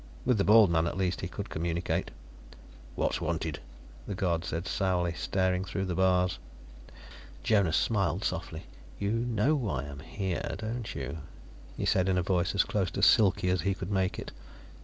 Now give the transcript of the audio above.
With the bald man, at least, he could communicate. "What's wanted?" the guard said sourly, staring through the bars. Jonas smiled softly. "You know why I'm here, don't you?" he said in a voice as close to silky as he could make it.